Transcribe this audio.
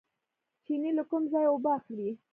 چینې له کوم ځای اوبه اخلي؟